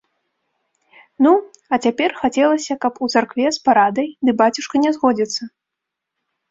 Ну, а цяпер хацелася, каб у царкве з парадай, ды бацюшка не згодзіцца?